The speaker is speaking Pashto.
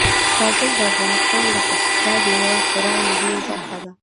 کابل د افغانستان د اقتصاد یوه خورا مهمه برخه ده.